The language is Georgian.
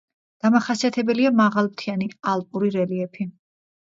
დამახასიათებელია მაღალმთიანი ალპური რელიეფი.